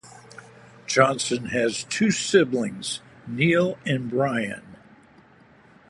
Johnson has two siblings, Neil and Brian.